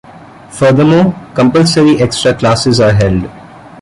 Furthermore, compulsory extra classes are held.